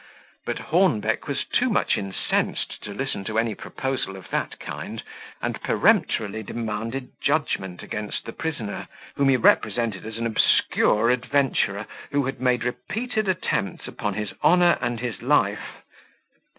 But Hornbeck was too much incensed to listen to any proposal of that kind, and peremptorily demanded justice against the prisoner, whom he represented as an obscure adventurer, who had made repeated attempts upon his honour and his life.